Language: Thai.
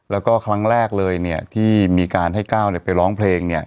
แล้วก็ครั้งแรกเลยที่มีการให้ก้าวไปร้องเพลง